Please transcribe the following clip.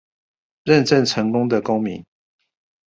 認證成功的公民